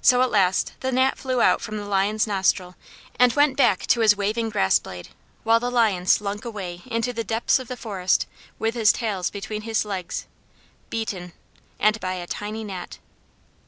So at last the Gnat flew out from the Lion's nostril and went back to his waving grass blade, while the Lion slunk away into the depths of the forest with his tail between his legs beaten, and by a tiny Gnat!